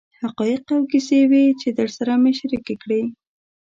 حقایق او کیسې وې چې درسره مې شریکې کړې.